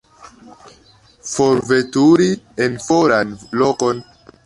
Forveturi en foran lokon.